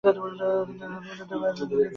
তিনি কাঠমান্ডুতে ফিরে আসেন এবং বিয়ে করেন।